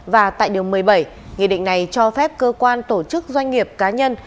và tại điều một mươi bảy nghị định này cho phép cơ quan tổ chức doanh nghiệp cá nhân